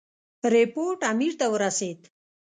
رپوټ امیر ته ورسېد.